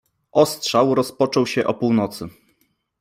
Ostrzał rozpoczął się o północy.